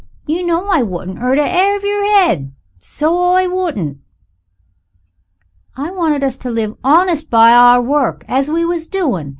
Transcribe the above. You know I wouldn't 'urt a 'air of yer 'ed, so I wouldn't." "I wanted us to live honest by our work we was doing it.